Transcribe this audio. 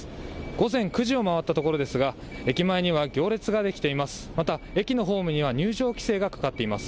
午前９時を回ったところですが駅前には行列ができています。